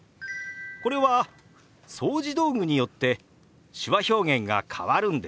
これは掃除道具によって手話表現が変わるんですよ。